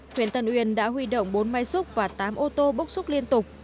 huyện tân uyên đã huy động bốn máy xúc và tám ô tô bốc xúc liên tục